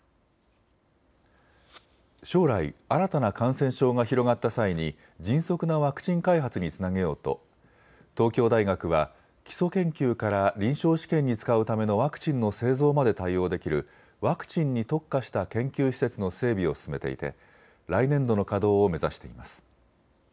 将来、新たな感染症が広がった際に迅速なワクチン開発につなげようと東京大学は基礎研究から臨床試験に使うためのワクチンの製造まで対応できるワクチンに特化した研究施設の整備を進めていて来年度の稼働を目指しています。